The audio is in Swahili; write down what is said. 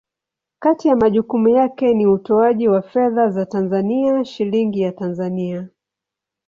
Kati ya majukumu yake ni utoaji wa fedha za Tanzania, Shilingi ya Tanzania.